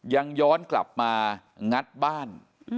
ยังย้อนกลับมางัดบ้าน